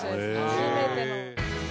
初めての。